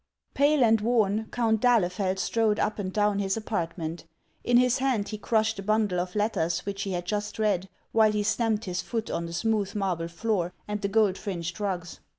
PALE and worn, Count d'Ahlefeld strode up and down his apartment ; in his hand he crushed a bundle of letters which he had just read, while he stamped his foot on the smooth marble floor and the gold fringed rugs.